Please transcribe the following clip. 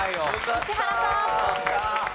石原さん。